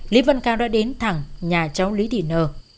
lý văn cao đã đến thẳng nhà cháu lý thị nờ